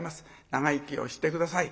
長生きをして下さい。